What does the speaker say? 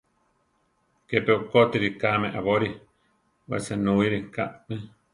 Kepi okótiri kame aborí, we senúiri kame.